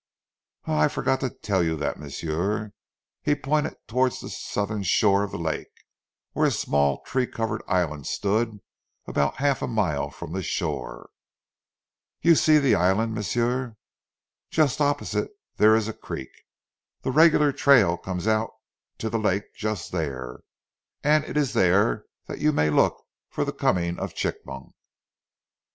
"Ah, I forgot to tell you dat, m'sieu." He pointed towards the southern shore of the lake, where a small tree covered island stood about half a mile from the shore. "You see zee island, m'sieu. Just opposite dere ees a creek. Zee regular trail comes out to zee lak' just dere, an' it ees dere dat you may look for zee comin' of Chigmok."